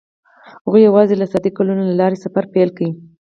هغوی یوځای د صادق ګلونه له لارې سفر پیل کړ.